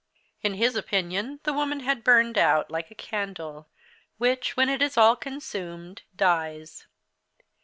In his opinion, the woman had burned out, like a candle, which, when it is all consumed, dies.